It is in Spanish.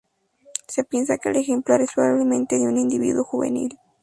Se piensa que el ejemplar es probablemente de un individuo juvenil.